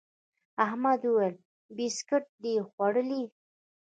احمد وويل: بيسکیټ دي خوړلي؟